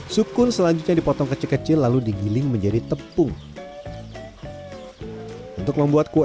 sukun selanjutnya dipotong kecil kecil lalu digiling menjadi tepung untuk membuat kue